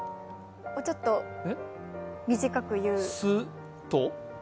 もうちょっと短く言う。